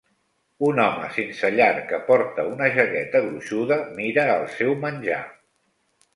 Un home sense llar que porta una jaqueta gruixuda mira el seu menjar.